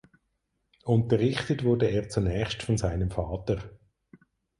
Unterrichtet wurde er zunächst von seinem Vater.